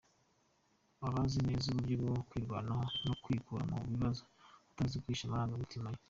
Aba azi neza uburyo bwo kwirwanaho no kwikura mu bibazo, atazi guhisha amarangamutima ye.